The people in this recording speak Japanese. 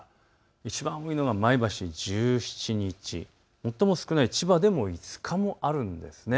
いちばん多いのが前橋１７日、最も少ない千葉でも５日もあるんです。